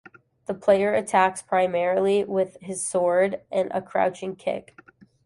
The player attacks primarily with his sword and a crouching kick.